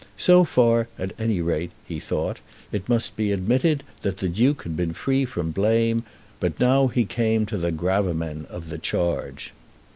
So far, at any rate," he thought, "it must be admitted that the Duke had been free from blame; but now he came to the gravamen of the charge."